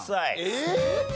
えっ！？